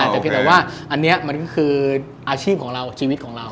แต่เพียงแต่ว่าอันนี้มันก็คืออาชีพของเราชีวิตของเรา